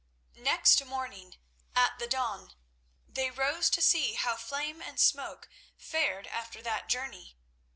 Next morning at the dawn they rose to see how Flame and Smoke fared after that journey.